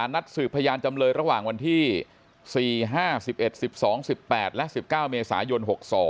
นัดสืบพยานจำเลยระหว่างวันที่๔๕๑๑๑๒๑๘และ๑๙เมษายน๖๒